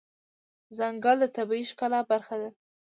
ځنګل د طبیعي ښکلا برخه ده.